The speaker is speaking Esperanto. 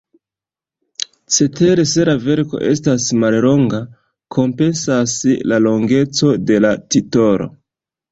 Cetere, se la verko estas mallonga, kompensas la longeco de la titolo.